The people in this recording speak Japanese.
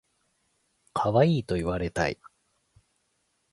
かわいいと言われたい